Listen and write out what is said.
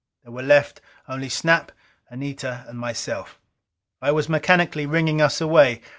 There were left only Snap, Anita and myself. I was mechanically ringing us away.